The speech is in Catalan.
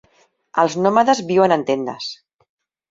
Els nòmades viuen en tendes.